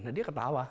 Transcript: nah dia ketawa